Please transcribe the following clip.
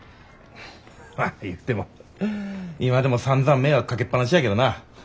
まあいうても今でもさんざん迷惑かけっぱなしやけどな。